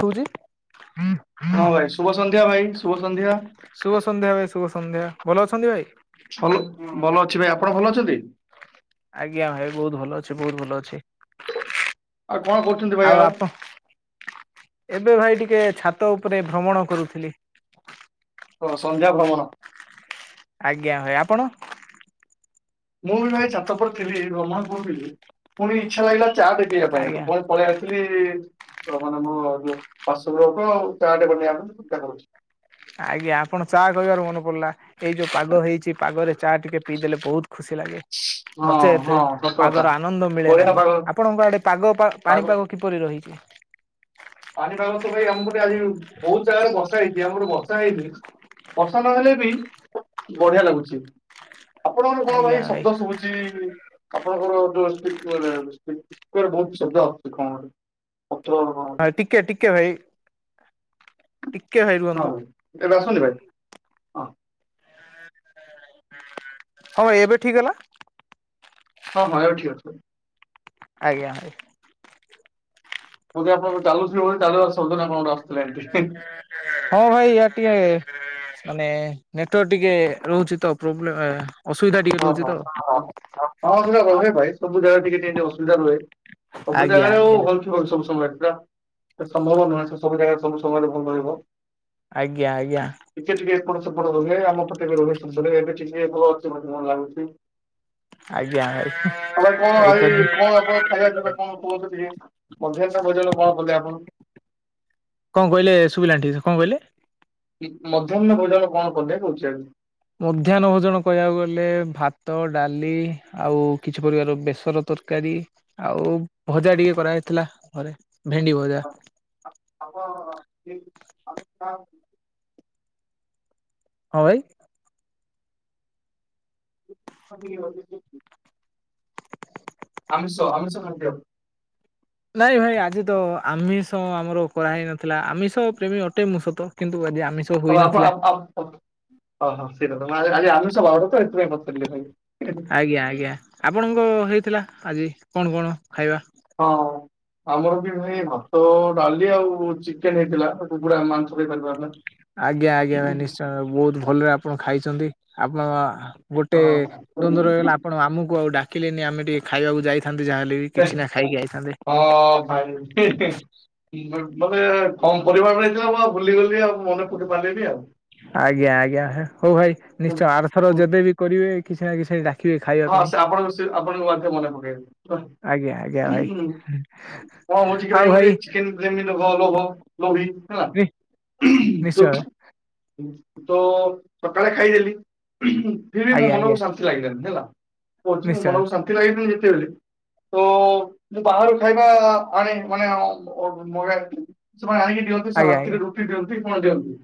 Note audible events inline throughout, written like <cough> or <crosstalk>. ପୁରୀ ହଁ ଭାଇ ଶୁଭ ସନ୍ଧ୍ୟା ଭାଇ ଶୁଭ ସନ୍ଧ୍ୟା ଶୁଭସନ୍ଧ୍ୟା ଭାଇ ଶୁଭସନ୍ଧ୍ୟା। ଭଲ ଅଛନ୍ତି ଭାଇ? ଭଲ ଭଲ ଅଛି ଭାଇ ଆପଣ ଭଲ ଅଛନ୍ତି? ଆଜ୍ଞା ଭାଇ ବହୁତ ଭଲ ଅଛି ବହୁତ ଭଲ ଅ ଆଉ କଣ କରୁଛନ୍ତି ଭାଇ ଆଉ ଆପ ଏବେ ଭାଇ ଟିକେ ଛାତ ଉପରେ ଭ୍ରମଣ କରୁଥିଲି। କଣ ସନ୍ଧ୍ୟା ଭ୍ରମଣ? ଆଜ୍ଞା ଭାଇ ଆପଣ? ମୁଁ ବି ଭାଇ ଛାତ ଉପରେ ଥିଲି ବ୍ରହ୍ମଣ କୁହୁଥିଲୁ ପୁଣି ଇଚ୍ଛା ଲାଗିଲା ଚା ପିଇବା ପାଇଁ ଆଜ୍ଞା ପଳେଇ ଆସିଲି। ତାହେନେ ଆମ ଯୋଉ ପାଶୁ ଲୋକ ଆ ଚାଟେ ବନେଇବା ପାଇଁ କରୁଛି <inaudible> ଆଜ୍ଞା ଆପଣ ଚା କହିବାର ମନେ ପଡିଲା ଏଇ ଯୋଉ ପାଗ ହେଇଛି ପାଗରେ ଚା ଟିକେ ପିଇଦେଲେ ବହୁତ ଖୁସି ଲାଗେ। ହଁ। ନଚେତେ ହଁ ସତ କଥା ପାଗର ଆନନ୍ଦ ମିଳେ ବଢିଆ ନାହିଁ ପାଗ ଆପଣଙ୍କ ଆଡେ ପାଗ ପାଗ ପାଣିପାଗ କିପରି ରହିଛି? ପାଣିପାଗ ତ ଭାଇ ଆମର ପଟେ ଆଜି ବହୁତ ଜାଗାରେ ବର୍ଷା ହେଇଛି ଆମର ବର୍ଷା ହେଇନି। ବର୍ଷା ନହେଲେ ବି ବଢିଆ ଲାଗୁଛି। ଆପଣଙ୍କର କଣ ଭାଇ ଶବ୍ଦ ଶୁବୁଛି? ଆପଣଙ୍କର ବହୁତ ଶବ୍ଦା ହଛି କଣ ଗୋଟେ? <unintelligible> କେବେ ଭାଇ? ଟିକେ ଭାଇ ରୁହନ୍ତୁ ହଁ ଭାଇ ଏବେ ଆସୁନି ଭାଇ ହଁ। ହଁ ଏବେ ଠିକ ହେଲା। ହଁ ହଁ ଏବେ ଠିକ୍ ଅଛି। ଆଜ୍ଞା ଭାଇ। ମୁଁ ଆପଣ ଚାଲୁଛି ଚାଲାର ସ ନା କଣ ରାସ୍ ହଁ ଭାଇ ୟାର ଟିକେ ମାନେ ନେଟ ୱର୍କ ଟିକେ ରହୁଛି ତ ପ୍ରୋବ୍ଲେମ। ହଁ ହଁ ହଁ ହଁ ସେଟା ଭାଇ ସବୁ ଜାଗା ଟିକେ ଅସୁବିଧା ରୁହେ ସବୁ ଆଜ୍ଞା ଜାଗାରେ ଆଉ ଆଜ୍ଞା। ଅଲ ସବୁ ସମୟରେ। ସମ୍ଭବ ନୁହେଁ ସେ ସବୁ ଜାଗା ସବୁ ସମୟରେ ଭଲ ରହିବ। ଆଜ୍ଞା ଆଜ୍ଞା। ପ ସେପଟ ରୁହେ ଆମ ପଟେ ବି ରୁହେ ସବୁ ବେଳେ ଭଲ ଅଛି ବୋଲି ମନ ଲାଗୁଛି। ଆଜ୍ଞା ଭାଇ। ଆଉ ଭାଇ କଣ ଭାଇ କଣ ଆପଣ ଖାଇବା ପିଇବା କଣ କୁ ମଧ୍ୟାହ୍ନ ଭଜନ କଣ କଲେ ଆପଣ? କଣ କହିଲେ ଶୁଭିଲାଣି ଠିକ୍ ସେ କଣ କହିଲେ? ମଧ୍ୟାହ୍ନ ଭୋଜାନ କଣ କଲେ କହୁଛି ଆ ମଧ୍ୟାହ୍ନ ଭୋଜନ କହିବାକୁ ଗଲେ ଭାତ ଡାଲି ଆଉ କିଛି ପରିବାର ବେସର ତ ତରକାରୀ ଆଉ ଭଜା ଟିକେ କରାହେଇଥିଲା ଘରେ ଭେଣ୍ଡି ଭଜା। ଆଉ କଣ ହଁ ଭାଇ। <inaudible> ଆମିଷ ଆମିଷ ନାଇଁ ଭାଇ ଆଜି ତ ଆମିଷ ଆମର କରାହେଇ ନଥିଲା ଆମିଷ ପ୍ରେମୀ ଅଟେ ମୁଁ ସତ କିନ୍ତୁ ଆଜି ଆମିଷ ହଁ ହୋଇନଥିଲା। ହଁ ହଁ ଆଜି ଆମିଷ <unintelligible> ଆଜ୍ଞା ଆଜ୍ଞା ଆପଣଙ୍କ ହେଇଥିଲା ଆଜି କଣ କଣ? ଖାଇବା? ହଁ। ଆମର ବି ଭାଇ ଭାତ ଡାଲି ଆଉ ଚିକେନ ହେଇଥିଲାୁ ପଡା ମାଂସ ଖପାର ପାର ନା ଆଜ୍ଞା ଆଜ୍ଞା ଭାଇ ନିଶ୍ଚୟ ବହୁତ ଭଲରେ ଆପଣ ଖାଇଛନ୍ତି ଆପଣ ହଁ ଗୋଟେ ଦ୍ୱନ୍ଦ୍ୱ ରହଗଲା ଆପଣ ଆମକୁ ଆଉ ଡାକିଲେନି ଆମେ ଟିକେ ଖାଇବାକୁ ଯାଇ ହଁ ଭାଇ ମାନେ କମ୍ ପରିବାର ମିଳିଥିଲା ବା ବୁଲିଗଲି। ଆଜ୍ଞା ଆଜ୍ଞା ହଉ ଭାଇ ନିଶ୍ଚୟ ଆରଥର ଯେବେବି କରିବେ କିଛି ନା କିଛି ଡାକିବେ ଖାଇବା ହଁ ପାଇଁ। ସେ ଆପଣଙ୍କ ବିଷ ଆଣଙ୍କ ମଧ୍ୟ ରେ ମନେ ପକେଇବେ। ଆଜ୍ଞା ଆଜ୍ଞା ଭାଇ ହୁଁ କଣ ହଉଛି କି ଭାଇ ମୁଁ ଗୋଟେ ଚିକେନ ଫିକେନ୍ ଖ ଗ ଘ ଗଭି ହେଲା ନିଶ୍ଚୟ <unintelligible> ତ ସକାଳେ ଖାଇଦେଲି ଫିର୍ ବି ମୋ ଆଜ୍ଞା ଆଜ୍ଞା ମନକୁ ଶାନ୍ତି ଲାଗିଲାନି ହେଲା କହୁଛି ମୋ ନିଶ୍ଚୟ ମନକୁ ଶାନ୍ତି ଲାଗିନି ଯେତେବେଳେ ତ ବାହାରୁ ଖାଇବା ଆଣେ ମାନେ ମାଗୋ ମାନେ ଆଣିକି ଦିଅନ୍ତି ଆଜ୍ଞା ରାତିରେ ଆଜ୍ଞା ରୁଟି ଦିଅନ୍ତି କଣ ଦିଅନ୍ତି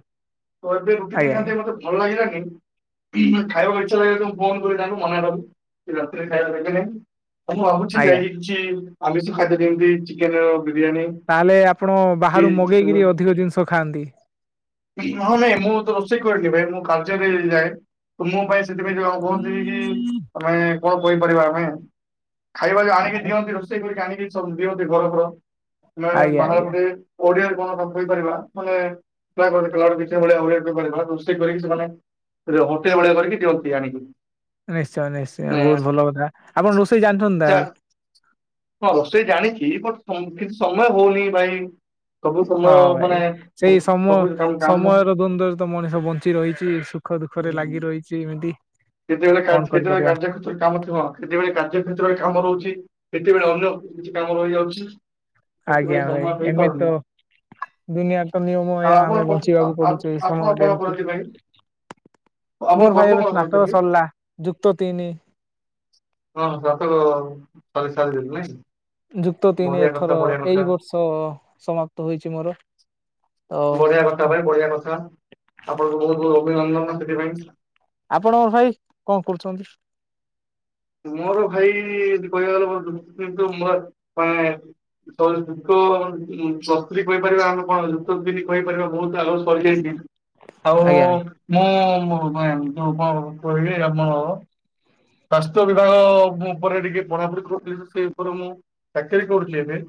ତ ଏବେ ରୁଟି ନେଇ ଆଜ୍ଞା ଆଜ୍ଞା ନେଉଥାନ୍ତି ମୋତେ ଭଲ ଲାଗିଲାନି ଖାଇବାକୁ ଇ୍ଛା ଲାଗିଲ ଫୋନ କରି ତାଙ୍କୁ ମନା କରବ କି ରାତିରେ ଖାଇବା ଦେବେନି। ଉ ମୁଁ ଭାବୁଛି ଆଜ୍ଞା ଯାଇକି କିଛି ଆମିଷ ଖାଦ୍ୟ କେମିତି ଚିକେନ। ବିରିୟାନୀ ତାହେଲେ ଆପଣ କି ବାହାରୁ ମଗେଇକିରି ଅଧିକ ଜିନିଷ ଖାଆନ୍ତି। ହଁ ନାଇଁ ମୁଁ ତ ରୋସ ସେଇ କରେନୀ ଭାଈ ମୁଁ କାର୍ଯ୍ୟରେ ଯାଏ ତ ମୋ ପାଇଁ ସେଥିପାଇଁ କହୁଥିବି କି ତମେ କଣ କହିପାରିବା ଆମେ ଖାଇବା ଯୋଉ ଆଣିକି ଦିଅନ୍ତି ରୋଷେଇ କରିକି ଆଣି ଦିଅନ୍ତି ଘର ଘର ମେ ଆଜ୍ଞା ଆଜ୍ଞା ବାହାରଟେ ଓଡିଆ କଣ କହିପାରିବା ମାନେ କିଛି ଭଳିଆ ଭଳିଆ ରୋଷେଇ କରିକି ସେମାନେ ସେ ହୋଟେଲ ଭଳିଆ କରିକି ଦିଅନ୍ତି ଆଣିକି। ନିଶ୍ଚୟ ନିଶ୍ଚୟ ବହୁତ ମାନେ ଭଲ କଥା ଆପଣ ରୋଷେଇ ଜାଣିଛନ୍ତି ତାହଲେ। ହଁ ରୋଷେଇ ଜାଣିଛି ବଟ କିଛି ସମୟ ହଉନି ଭାଇ। ସବୁ ହଁ ସମୟ ଭାଇ ମାନେ ସେଇ ସମୟ ସବୁ ସବୁ କାମ କାମ ସମୟର ଦ୍ଵନ୍ଦରେ ତ ମଣିଷ ବଞ୍ଚି ରହିଛି ସୁଖ ଦୁଃଖ ପାଖରେ ଲାଗି ରହିଛି ଏମିତି କେତେବେଳେ କଣ କେତେବେଳେ କରିପାରିବା? କାର୍ଯ୍ୟ କ୍ଷେତ୍ରରେ କାମ ଥିବ କେତେବେଳେ କାର୍ଯ୍ୟ କ୍ଷେତ୍ର ରେ କାମ ରହୁଛି କେତେବେଳେ ଅନ୍ୟ କିଛି କାମ ରହିଯାଉଛି। ସେଥିପାଇଁ ଆଜ୍ଞା ଭାଇ ସମୟ ଏମିତି ତ ହେଇପାରୁନି। ଦୁନିଆ ତ ନିୟମ ଏହା ଆମେ ଆପଣ ବଞ୍ଚିବାକୁ ପଡୁଛି ଏଇ ଆତ୍ମ ସମୟରେ ଅର୍ପଣ ଏମିତି। କରନ୍ତି ପାଇଁ ଆପଣ ମୋର ଭାଇ କର୍ମ ଏବେ କଣ ସ୍ନାତକ କରଛନ୍ତି? ସରିଲା ଯୁକ୍ତ ତିନି ହଁ <unintelligible> <unintelligible> ଯୁକ୍ତ ତିନି ବଢିଆ କଥା ଏଥର ବଢିଆ ଏଇ କଥା ବର୍ଷ ସମାପ୍ତ ହୋଇଛି ମୋର। ତ ବଢିଆ କଥା ଭାଇ ବଢିଆ କଥା ଆପଣଙ୍କୁ ବହୁତ ବହୁତ ଅଭିନନ୍ଦନ ସେଥିପାଇଁ। ଆପଣଙ୍କ ଭାଇ କଣ କରୁଛନ୍ତି? ମୋର ଭାଇ କହିବା କୁ <unintelligible> ପ୍ଲସ୍ ଥ୍ରୀ କହିପାରିବା ଆମେ କଣ ଯୁତିନି କହିପାରିବା ବହୁତ ଆଗରୁ ସରିଯାଇଛି। ଆଉ ଆଜ୍ଞା ଭାଇ ମୁଁ ଯୋଉ କଣ କହିଲି ଆମର ସ୍ଵାସ୍ଥ୍ୟ ବିଭାଗ ଉପରେ ଟିକେ ପଢ଼ାପଢ଼ି କରୁି ସେ ଉପରେ ମୁଁ ଚାକିରି କରୁଛିି ଏବେ।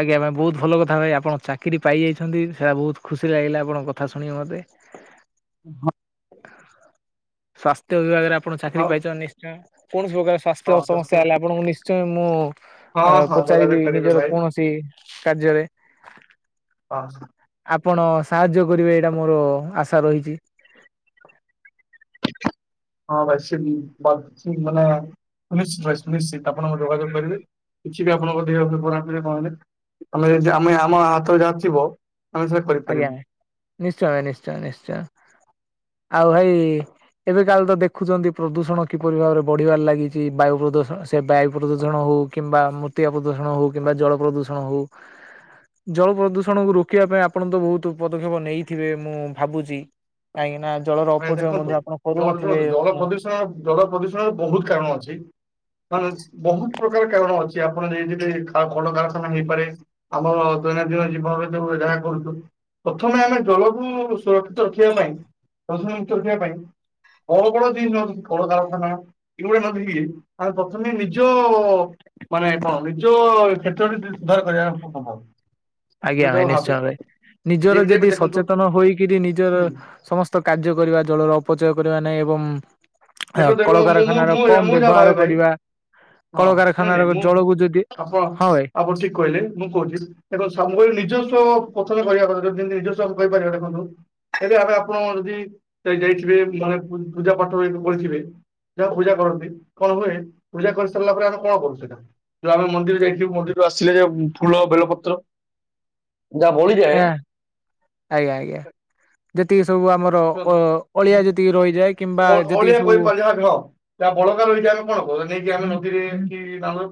ଆଜ୍ଞା ପାଇଁ ବହୁତ ଭଲ କଥା ଭାଇ ଆପଣ ଚାକିରି ପାଇ ଯାଇଛନ୍ତି ସେଟା ବହୁତ ଖୁସି ଲାଗିଲା ଆପଣଙ୍କ କଥା ଶୁଣେ ମୋତେ। <inaudible> ହଁ ସ୍ୱାସ୍ଥ୍ୟ ବିଭାଗରେ ଆପଣ ଚାକିରି ଆଉ ପାଇଛନ୍ତି ନିଶ୍ଚୟ। କୌଣସି ପ୍ରକାର ସ୍ୱାସ୍ଥ୍ୟ ସମସ୍ୟା ହେଲେ ଆପଣଙ୍କୁ ନିଶ୍ଚୟ ମୁଁ ଆ ହଁ ହଁ ଯୋଗାଯୋଗ ପଚାରିବି କରିବେ ନିଜର ଭାଇ କୌଣସି କାର୍ଯ୍ୟରେ। ଆପଣ ସାହାଯ୍ୟ କରିବେ ଏଇଟା ମୋର ଆଶା ରହିଛି। ହଁ ନିଶ୍ଚିତ ଆପଣ ପୋଲିସ ଡ୍ରେସ ପିନ୍ଧିକି ଅମକୁ ସାହାଯ୍ୟ କରିବେ। କିଛି ବି ଆପଣଙ୍କ ଦେହରେ ଦୁର୍ବଳ ହେଲେ କଣ ହେଲେ ଆମେ ଆମେ ଆମ ହାତରେ ଯାହାଥିବ ଆଜ୍ଞା ନିଶ୍ଚୟ ଭ ନିଶ୍ଚୟ ନିଶ୍ଚୟ ଆଉ ଭାଇ ଏବେ କାଲି ତ ଦେଖୁଛନ୍ତି ପ୍ରଦୂଷଣ କିପରି ଭାବରେ ବଢିବାରେ ଲାଗିଛି ବାୟୁ ପ୍ରଦୂଷଣ ସେ ବାୟୁ ପ୍ରଦୂଷଣ ହଉ ହଉ କିମ୍ବା ମୂତ୍ତିକା ପ୍ରଦୂଷଣ ହଉ କିମ୍ବା ଜଳ ପ୍ରଦୂଷଣ ହଉ ଜଳ ପ୍ରଦୂଷଣକୁ ରୋକିବା ପାଇଁ ଅପ୍ ଆପଣ ତ ବହୁତ ପଦକ୍ଷେପ ନେଇଥିବେ ମୁଁ ଭାବୁଛି କାହିଁକି ନା ଜଳର ଆଜ୍ଞା ଅପଚୟ ଦେଖନ୍ତୁ ମଧ୍ୟ ଆପଣ ଜଳ କରୁନଥିବେ ଜଳ ମୁଁ ପ୍ରଦୂଷଣ ଜଳ ପ୍ରଦୂଷଣର ବହୁତ କାରଣ ଅଛି କଣ ଅଛି ବହୁତ ପ୍ରକାର କାରଣ ଅଛି। କି ଆପଣ ଯେ କଳକାରଖାନା ହେଇପାରେ ଆମର ଦୈନନ୍ଦିନ ଜୀବନରେ ଯୋଉ ଯାହା କରୁଛୁ ପ୍ରଥମେ ଆମେ ଜଳକୁ ସୁରକ୍ଷିତ ରଖିବା ପାଇଁ ପ୍ <unintelligible> ରଖିବା ପାଇଁ କଲ୍ ର କଣ ଅଛି ଯ କଳ କାରଖାନା ଏଇଗୁଡା ନଦକି ଆମେ ପ୍ରଥମେ ନିଜ ମାନେ କଣ ନିଜ କ୍ଷେତ୍ର ସି ସୁଧାର କରିବା। <unintelligible> ଆଜ୍ଞା ଯୋଉଟା ଭାଇ ମୁଁ ନିଶ୍ଚୟ ଭାବେ ନିଜର ଯେମିତି ଏବେ ଯଦି ଦେଖନ୍ତୁ ସଚେତନ ହୋଇକିରି ନିଜର ହୁଁ ସମସ୍ତ ତ କାର୍ଯ୍ୟ କରିବା ଜଳର ଅପଚୟ କରିବା ନାହିଁ ଏବଂ ହ ଦେଖନ୍ତୁ ଏବେ ମୁଁ ମୁଁ ମୁଁ କଳକାରଖାନାର କମ ମୁଁ ଯାହା ଭାବେ ବ୍ୟବହାର ଭାଇ କରିବା ହଁ ନାଇଁ କଳକାରଖାନାର ନାଇଁ ଜଳକୁ ଯଦି ମୁଁ ଆପଣ ହଁ ଭାଇ ଆପଣ ଠିକ କହିଲେ ମୁଁ କହୁଛି ଦେଖ ସ ନିଜସ୍ଵ ପ୍ରଥମେ କହିବା <unintelligible> କଥାିତି ନିଜସ୍ଵ ଆମେ କହିପାରିବା ଦେଖନ୍ତୁ ଏବେ ଆବେ ଆପଣ ଯଦି ଯାଇଥିବେ ମାନେ ପୁ ପୂଜା ପାଠ କରିଥିବେ ଯାହା ପୂଜା କରନ୍ତି କଣ ହୁଏ ପୂଜା କରି ସାରିଲା ପରେ ଆମେ କଣ କରୁ ସେଇଟା ଯୋଉ ଆମେ ମନ୍ଦିର ଯାଇଥିବୁ ମନ୍ଦିର ବାସିଲେ ଯେଉ ଫୁଲ ବେଲପତ୍ର ଯାହା ବଳିଯାଏ ହଁ ଆଜ୍ଞା ଆଜ୍ଞା ଯ୍ୟୋତି ସବୁ ଆମର ଅ ଅଳିଆ ଯେତିକି ରହିଯାଏ କିମ୍ବା ଅ ଯେତିକି ଅଳିଆ ସବୁ କହିପାର ଯାହା ହଁ ଯାହା ବଳକା ରହିଛି ଆମେ କଣ କହୁ ନେଇକି ଆମେ ନଦୀରେ ଏମିତି ବାୱାତା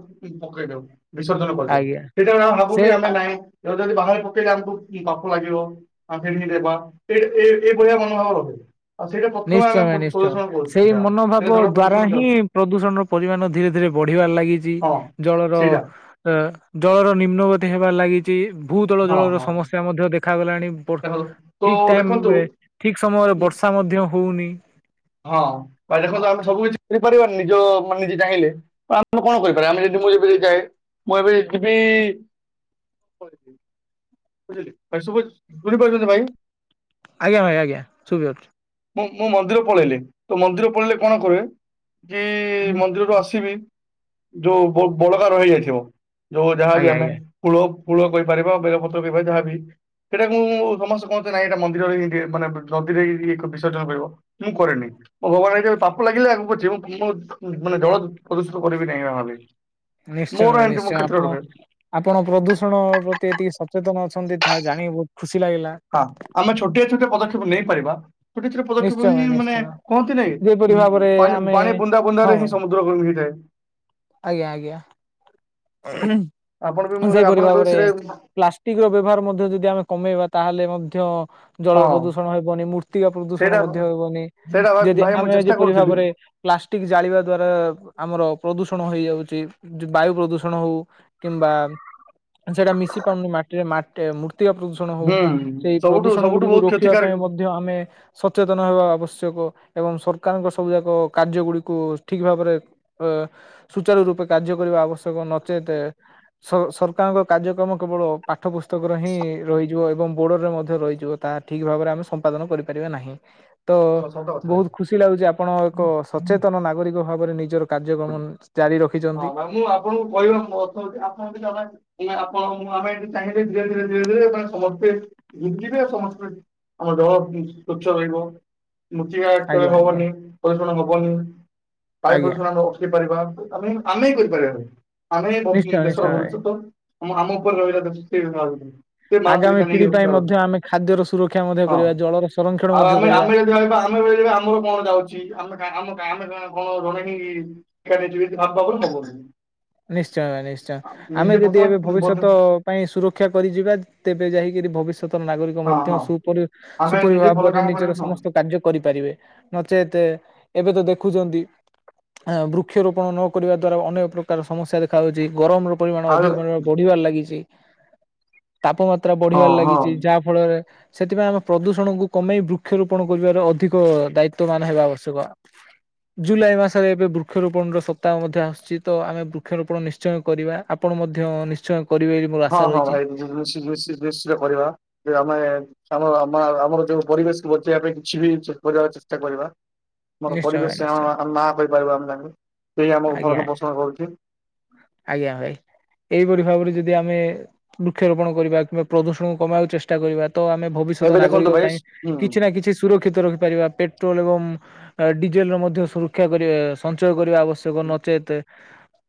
ପକେଇ ଦଉ ବିସର୍ଜନ କରିଦଉ ଆଜ୍ଞା ସେଟା ଆମେ ସେ ଭାବୁକି ଆମେ ନାହିଁ ଏ ଯଦି ବାହାରେ ପକେଇଲେ ଆମକୁ ପାପ ଲାଗିବ ଆଖେ ଦେବା ଏଇ ଏଇଭଳିଆ ମନୋଭାବ ରହା ଆଉ ସେଇଟା ପଥର ଆ ନିଶ୍ଚୟ ନିଶ୍ଚୟ ସେଇ ମନୋଭାବ ଦ୍ଵାରା ଯାଉ ହିଁ ପ୍ରଦୂଷଣର ପରିମାଣ ଧୀରେ ଧୀରେ ବଢିବାରେ ଲାଗିଛି ହଁ ଜଳର ସେଇଟା ଅ ଜଳର ନିମ୍ନଗତି ହେବ ଲାଗି ଚି ଭୂତଳ ହଁ ଜଳର ହଁ ସମସ୍ୟା ମଧ୍ୟ ଦେଖାଗଲାଣି ଦେଖନ୍ତୁ ତ ଠିକ ଦେଖନ୍ତୁ ଟାଇମରେ ଠିକ ସମୟରେ ବର୍ଷା ମଧ୍ୟ ହଉନି ହଁ ବା ଦେଖନ୍ତୁ ଆମେ ସବୁ କିଛି କରିପାରିବାାନ ନିଜ ମାନେ ନିଜେ ଚାହିଁଲେ ଆମେ କଣ କରିପାରିବା ଆମେ ଯଦି ମୁଁ ଏବେ ଯାଏ ମୁଁ ଏବେ ଯିବିଣିବ ବୁଝିଲେ <unintelligible> ପାରୁଛନ୍ତି ଭାଇ ଆଜ୍ଞା ଭାଇ ଆଜ୍ଞା ଶୁବିବ ଏଥର ମୁଁ ମୁଁ ମନ୍ଦିର ପଳେଇଲେ ତ ମନ୍ଦିର ପଳେଇଲେ କଣ କରେ କି ମନ୍ଦିରରୁ ଆସିବି ଯୋଉ ବ ବଳକାର ର ହିଁଯାଇଥିବ ଯୋଉ ଯାହାବି ଆଜ୍ଞା ଆମେ ଆଜ୍ଞା ଫୁଳ ଫୁଳ କହିପାରିବା ବେଲ ପତ୍ର ଯାହାବି ସେଇଟା ମୁଁ ସମସ୍ତେ କହନ୍ତି ନାଇଁ ଏଇଟା ମନ୍ଦିରରେ ମାନେ ନଦୀରେ ଏକ ବିର୍ଜ ମୁଁ କରେନି ମୋ ଭଗବାନ ଯଦିପାପ ଲାଗିଲେ ଆଗକୁଛି ମୁଁ ମୁଁ ମାନେ ଜଳ ପ୍ରଦୂଷଣ କରିବି ସେଇ ମାମଲି ନିଶ୍ଚୟ ନିଶ୍ଚୟ ଆପଣ ଆପଣ ପ୍ରଦୂଷଣ ପ୍ରତି ଏତିକି ସଚେତନ ଅ କନ୍ଦିଥା ଜାଣିବୁ ହଁ ଆମେ ଛୋଟିଆ ଛୋଟିଆ ପଦକ୍ଷେପ ନେଇ ପାରିବା ଛୋଟି ଛୋଟି ନିଶ୍ଚୟ ପଦକ୍ଷେପ ହିଁ ଭାଇ ମାନେ ନିଶ୍ଚୟ କୁହନ୍ତି ନାଇ ଯେପରି ଭାବରେ ଆମେ ଉପାଣି ବୁନ୍ଦା ହଁ ବୁଧାରେ ହିଁ ସମୁଦ୍ର କ ହେଇଥାଏ ଆଜ୍ଞା ଆପଣ ବି ଆଜ୍ଞା ମୁଁ ସେଇପରି ଆପଣଙ୍କ ଭାବରେ ବିଷୟରେ ପ୍ଲାଷ୍ଟିକ ର ବ୍ୟବହାର ମଧ୍ୟ ଯଦି ଆମେ କମେଇବା ତାହେଲେ ମଧ୍ୟ ହଁ ଜଳର ପ୍ରଦୂଷଣ ହେବନି ମୂର୍ତ୍ତିକା ପ୍ରଦୂଷଣ ସେଇଟା ମଧ୍ୟ ହେବନି ସେଇଟା ଭା- ଯଦି ଭାଇ ମୁଁ ଆମେ ଚେଷ୍ଟା ଯେପରି କରୁଥିଲି ଭାବରେ ପ୍ଲାଷ୍ଟିକ ଜାଳିବା ଦ୍ଵାରା ଆମର ପ୍ରଦୂଷଣ ହେଇଯାଉଛି ବାୟୁ ପ୍ରଦୂଷଣ ହଉ କିମ୍ୱା, ସେଟା ମିଶି। ପାରୁନି ମାଟିରେ ମାଟ ମୁ। ମୂର୍ତ୍ତିକା ପ୍ରଦୂଷଣ ହଉ ହୁଁ ସେଇ ସବୁଠୁ ପ୍ରଦୂଷଣ ସବୁଠୁ ଗୁଡିକୁ ବହୁତ ରୋକିବା ପାଇଁ କ୍ଷତିକାରକ ମଧ୍ୟ ଆମେ ସଚେତନ ହେବା ଆବଶ୍ୟକ। ଏବଂ ସରକାରଙ୍କ ସବୁ ଯାକ କାର୍ଯ୍ୟ ଗୁଡିକୁ ଠିକ ଭାବରେ ଅ ସୁଚାରୁ ରୂପେ କାର୍ଯ୍ୟ କରିବା ଆବଶ୍ୟକ କ ନଚେତ ସ ସରକାରଙ୍କ କାର୍ଯ୍ୟକ୍ରମ କେବଳ ପାଠ ପୁସ୍ତକର ହିଁ ରହିଯିବ ଏବଂ ବୋର୍ଡରରେ ମଧ୍ୟ ରହିଯିବ ତା ଠିକ ଭାବରେ ଆମେ ସମ୍ପାଦନ କରିପାରିବା ନାହିଁ। ତ ସ- ସତ କଥା ଭାଇ। ବହୁତ ଖୁସି ଲାଗୁଛି ଆପଣ ଏକ ସଚେତନ ନାଗରିକ ଭାବରେ ନିଜର କାର୍ଯ୍ୟକ୍ରମ ଜାରି ହଁ ରଖିଛନ୍ତି। ଭାଇ ମୁଁ ଆପଣଙ୍କୁ କହିବାକୁ ମୁଁ <unintelligible> ହଉଚି ଆପଣ ବି ଜମା <unintelligible> ଆପଣ ମୁଁ ଆମେ ଏଠି ଚାହିଁଲେ ଧୀରେ ଧୀରେ ଧୀରେ ଧୀରେ ଆପଣ ସମସ୍ତେ ଭୁଁଜିବେ ସମସ୍ତେ। ଆମ ଦେହ ସ୍ଵଚ୍ଛ ରହିବ। ମୃତ୍ତିକା କ୍ଷୟ ଆଜ୍ଞା ଆଜ୍ଞା ହବନି। ପ୍ରଦୂଷଣ ହବନି। ବାୟୁ ଆଜ୍ଞା ପ୍ରଦୂଷଣ ଆମେ ରୋକି ପାରିବା। ଆମେ ଆମେ କରିପାରିବା ସବୁ। ଆମେ ନିଶ୍ଚୟ ଭ-ଉଁ, ଦେଶର ନିଶ୍ଚୟ ଭାଇ ଭବିଷ୍ୟତ। ଆମ ଆମ ଉପରେ ରହିଲା <unintelligible> ସେ ଆଗାମୀ ମାନସିକତା ନେଇକି ପିଢି ପାଇଁ ରଖିପାରନ୍ତି। ମଧ୍ୟ ଆମେ ଖାଦ୍ୟର ସୁରକ୍ଷା ମଧ୍ୟ ହଁ କରିବା ଜଳର ସଂରକ୍ଷଣ ଆଉ ମଧ୍ୟ ଆମେ କରିବା। ଆମେ ଯଦି କହିବା ଆମେ ଆମେ କହିବା ଆମର କଣ ଯାଉଛି ଆମେ ଗାଁ ଆମ ଗାଁ ଆମେ କଣ ହଁ ଜଣେ ହିଁ ହି <unintelligible> ନିଶ୍ଚୟ ନିଶ୍ଚୟ ଆମେ ଯଦି ଏବେ ପ୍ରଥମେ ବଦ୍ ଭବିଷ୍ୟତ ପାଇଁ ସୁରକ୍ଷା କରିଯିବା ତେବେ ଯାଇକିରି ଭବିଷ୍ୟ ଷ୍ୟତ ନାଗରିକ ହଁ ମଧ୍ୟ ହଁ ସୁପରି ଆମେ ନିଜେ ଭଲ ସୁପରିଭାବରେ କାମ ନିଜର କରିବୁ ହଁ ସମସ୍ତ କାର୍ଯ୍ୟ କରିପାରିବେ। ନଚେତ ତେ ଏବେ ତ ଦେଖୁଛନ୍ତି ଅ, ବୃକ୍ଷରୋପଣ ନ କରିବା ଦ୍ଵାରା ଅନେକ ପ୍ର କାର ସମସ୍ୟା ଦେଖାାଯାଉଚି। ଗରମ ର ପରିମାଣ ଆଉ ଅଧିକ ପରିମାଣ ବଢ଼ିବାରେ ଲାଗିଚି। ତାପମାତ୍ରା ହଁ ବଢିବାରେ ହଁ ଲାଗିଚି ଯାହା ଫଳରେ ସେଥିପାଇଁ ଆମ ପ୍ରଦୂଷଣକୁ କମେଇ ବୃକ୍ଷରୋପଣ କରିବାର ଅଧିକ ଦାୟିତ୍ୱ ମାନ ହେବା ଆବଶ୍ୟକ। ଜୁଲାଇ ମାସରେ ଏବେ ବୃକ୍ଷରୋପଣ ର ସପ୍ତାହ ମଧ୍ୟ ଆସୁଛିି। ତ ଆମେ ବୃକ୍ଷରୋପଣ ନିଶ୍ଚୟ କରିବା। ଆପଣ ମଧ୍ୟ ନିଶ୍ଚୟ କରିବେ ବୋଲି ମୋର ହଁ ଆଶା ହଁ ରହିଛି। ଭାଇ ବେଶି ବେଶି ବେଶିକା କରିବା ଯେ ଆମେ ଆମର ମା-ଆମର ଯୋଉ ପରିବେଶକୁ ବଞ୍ଚେଇବା ପାଇଁ କିଛି ବି ଚ- କରିବାକୁ ଚେଷ୍ଟା କରିବା। ଆମର ନିଶ୍ଚୟ ଭାଇ ପରିବେଶ ନିଶ୍ଚୟ ହଁ ଆମ ମା କରିପାରିବ ଆମ ସାଙ୍ଗରେ ସେହି ଆମ ଆଜ୍ଞା ଭରଣ ପୋଷଣ କରୁଛି। ଆଜ୍ଞା ଭାଇ ଏଇପରି ଭାବରେ ଯଦି ଆମେ ବୃକ୍ଷରୋପଣ କରିବା। କିମ୍ବା ପ୍ରଦୂଷଣକୁ କମେଇବାକୁ ଚେଷ୍ଟା କରିବା। ତ ଆମେ ଭବିଷ୍ୟତ ଏବେ ଦେଖନ୍ତୁ ନାଗରିକ ଭାଇ ପାଇଁ ହୁଁ କିଛି ନା କିଛି ସୁରକ୍ଷିତ ରଖିପାରିବା। ପେଟ୍ରୋଲ୍ ଏବଂ ଆ, ଡିଜେଲ ର ମଧ୍ୟ ସୁରକ୍ଷା କରିବା ସଞ୍ଚୟ କରିବା ଆବଶ୍ୟକ ନଚେତ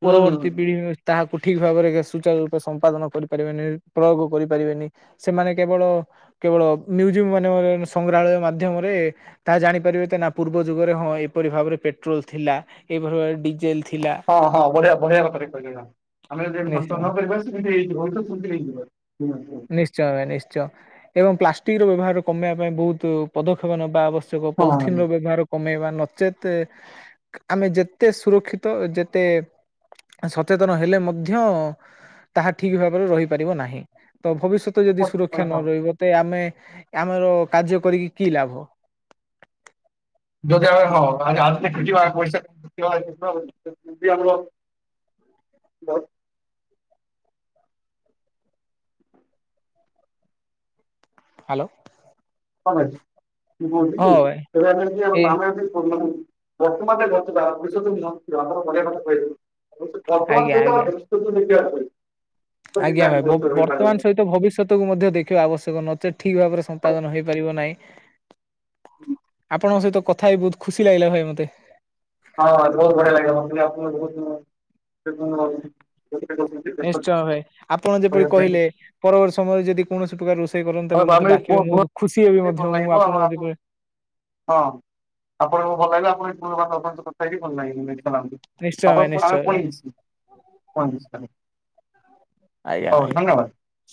ହୁଁ ହୁଁ ପରବର୍ତ୍ତୀ ପିଢ଼ି <unintelligible> ତାହାକୁ ଠିକ୍ ଭାବରେ ଏକା ସୁଚାରୁ ରୂପେ ସମ୍ପାଦନ କରିପାରିବେନି। ପ୍ରୟୋଗ କରିପାରିବେନି। ସେମାନେ କେବଳ କେବଳ ମ୍ୟୁଜିୟମ ମାନଙ୍କରେ ସଂଗ୍ରହାଳୟ ମାଧ୍ୟମରେ ତାହା ଜାଣିପାରିବେ ତ ନା ପୂର୍ବ ଯୁଗରେ ହଁ ହଁ ଏପରି ଭାବରେ ପେଟ୍ରୋଲ୍ ଥିଲା। ଏପରି ଭାବେ ଡିଜେଲ୍ ହଁ ହଁ ବଢିଆ ବଢିଆ କଥାଟେ କହିଲେ ଯାହା। ଆମେ ଯଦି ଏବେ ସଞ୍ଚୟ ନିଶ୍ଚୟ ନ କରିବା ସେମିତି ବହୁତୁ <unintelligible> ନେଇ ଯିବା। ନିଶ୍ଚୟ ଭାଇ ନିଶ୍ଚୟ ଏବଂ ପ୍ଲାଷ୍ଟିକ୍ ର ବ୍ୟବହାର କମେଇବା ପାଇଁ ବହୁତୁ ପଦକ୍ଷେପ ନବା ଆବଷ୍ ସେ ହଁ କ-ପଲିଥିନ ର ବ୍ୟବହାର କମେଇବା ନଚେତେ ଆମେ ଯେତେ ସୁରକ୍ଷିତ ଯେତେ ସଚେତନ ହେଲେ ମଧ୍ୟ ତାହା ଠିକ ଭାବରେ ରହିପାରିବ ନାହିଁ। ତ ଭବିଷ୍ୟତ ଯଦି ସୁରକ୍ଷା ନ ରହିବ ତେ ଆମେ ଆମର କାର୍ଯ୍ୟ କରିକି କି ଲାଭ। ସୁରକ୍ଷା କଲେ କଣ ହବ <unintelligible> ପଇସା <inaudible> ଆମର ବ ହାଲୋ। କଣ ଖାଇଚ? <unintelligible> ଭାଇ ବର୍ତ୍ତମାନ ଏଇ ଏ ଗଛଟା <unintelligible> ବଢିଆ କଥା କହିଥିଲୁ। ତ ସେ ବର୍ତ୍ତମାନ ଆଜ୍ଞା ଆଜ୍ଞା। ସହିତ <unintelligible> ଆଜ୍ଞା ଭାଇ ବ-ବର୍ତ୍ତମାନ ପଡିବ। ସହିତ ଭବିଷ୍ୟତକୁୁ ମଧ୍ୟ ଦେଖିବା ଆବଶ୍ୟକ। ନ ଠିକ୍ ଭାବରେ ସମ୍ପାଦନ ହୋଇପାରିବ ନାହିଁ। ହୁଁ। ଆପଣଙ୍କ ସହିତ କଥା ହେଇ ବହୁତ ଖୁସି ଲାଗିଲା ଭାଇ ମୋତେ। ହଁ ମୋତେ ବହୁତ ବଢିଆ ଲାଗିଲା। ମୋତେ ବି ଆପଣ ବହୁତ <inaudible> ନିଶ୍ଚୟ ଭାଇ ଆପଣ ଆମ ଯେପରି କହିଲେ ପରବର୍ତ୍ତୀ ସମୟରେ ଯଦି କୌଣସି ପ୍ରକାର ରଷ ଷେଇ କରନ୍ତୁେ ଏବଂ ମୋତେ ଫ୍ୟାମିଲି ଡାକିବେ ମୁଁ ବହୁତ ଖୁସି ହେବି ମଧ୍ୟ ଭଲ ମୁଁ ଲାଗିବ ଆମ ଆପଣ ଯେବେ ହଁ ଆପଣଙ୍କୁ ଭଲ ଲାଗିଲା ଆପଣ <unintelligible> ଆପଣଙ୍କ ସହ କଥା ହେଇକି ଭଲ ଲାଗିଲା ଯେ ନିଶ୍ଚୟ ଭାଇ ନିଶ୍ଚୟ ଭାଇ <unintelligible> ଆଜ୍ଞା ଭାଇ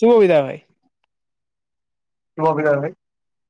ସୁବିଧା ନାହିଁ ସୁବିଧା ନାହିଁ